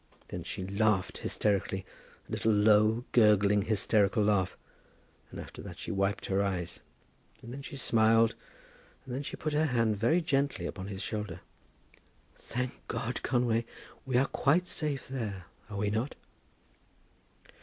Then she laughed hysterically, a little low, gurgling, hysterical laugh; and after that she wiped her eyes, and then she smiled, and then she put her hand very gently upon his shoulder. "Thank God, Conway, we are quite safe there, are we not?"